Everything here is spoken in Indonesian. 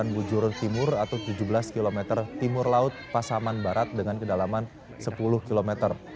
sembilan ribu sembilan ratus sembilan puluh delapan wujur timur atau tujuh belas km timur laut pasaman barat dengan kedalaman sepuluh km